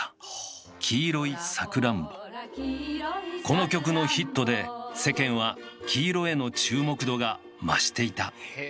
この曲のヒットで世間は黄色への注目度が増していた。